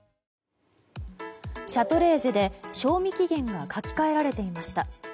シャトレーゼで賞味期限が書き換えられていました。